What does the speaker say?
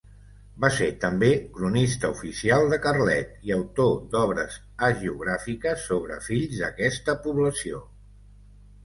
Va ser també cronista oficial de Carlet, i autor d'obres hagiogràfiques sobre fills d'aquesta població.